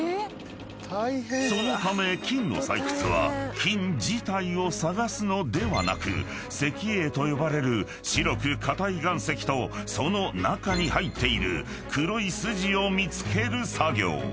［そのため金の採掘は金自体を探すのではなく石英と呼ばれる白く硬い岩石とその中に入っている黒い筋を見つける作業］